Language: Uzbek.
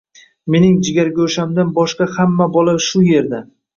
Mening jigargo`shamdan boshqa hamma bola shu erda